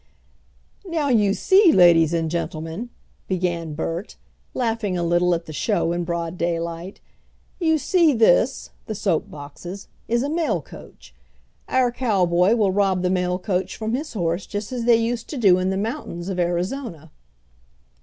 "Now you see ladies and gentlemen," began Bert, laughing a little at the show in broad daylight, "you see this (the soap boxes) is a mail coach. Our cowboy will rob the mail coach from his horse just as they used to do in the mountains of Arizona."